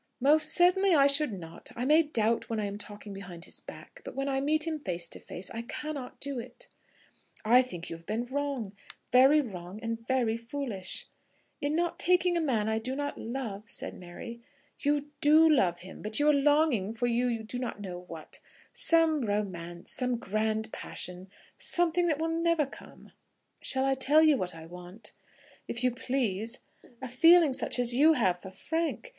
"Most certainly I should not. I may doubt when I am talking behind his back; but when I meet him face to face I cannot do it." "I think you have been wrong, very wrong and very foolish." "In not taking a man I do not love?" said Mary. "You do love him; but you are longing for you do not know what; some romance, some grand passion, something that will never come." "Shall I tell you what I want?" "If you please." "A feeling such as you have for Frank.